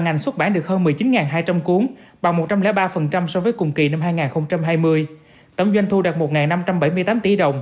ngành xuất bản được hơn một mươi chín hai trăm linh cuốn bằng một trăm linh ba so với cùng kỳ năm hai nghìn hai mươi tổng doanh thu đạt một năm trăm bảy mươi tám tỷ đồng